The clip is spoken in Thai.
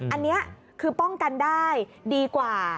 อันนี้คือป้องกันได้ดีกว่า